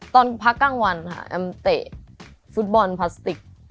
ตอนพักกลางวันค่ะแอมเตะฟุตบอลพลาสติก